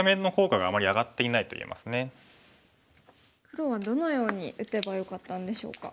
黒はどのように打てばよかったんでしょうか。